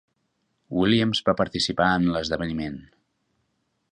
Williams va participar en l'esdeveniment.